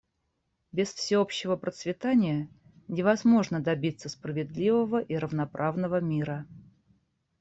Без всеобщего процветания невозможно добиться справедливого и равноправного мира.